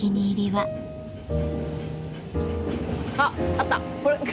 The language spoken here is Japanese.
あっあった。